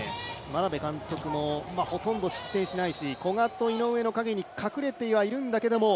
眞鍋監督もほとんど失点しないし古賀と井上の影に隠れてはいるんだけれども